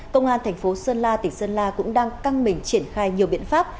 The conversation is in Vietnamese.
trong thời gian chính trị công an tp sơn la tỉnh sơn la cũng đang căng mình triển khai nhiều biện pháp